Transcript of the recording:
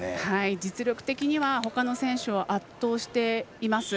実力的にはほかの選手を圧倒しています。